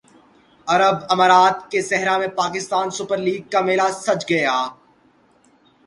عرب امارات کے صحرا میں پاکستان سپر لیگ کا میلہ سج گیا